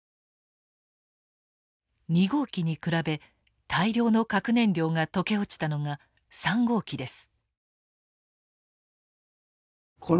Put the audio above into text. ２号機に比べ大量の核燃料が溶け落ちたのが３号機です。